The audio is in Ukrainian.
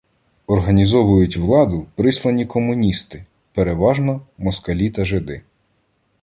Організовують владу прислані комуністи, переважно москалі та жиди.